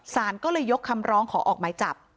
สารก็เลยยกคำร้องขอออกหมายจับ